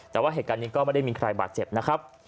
แต่ว่าเหตุการณ์นี้ก็ไม่ได้มีใครบาดเจ็บนะครับ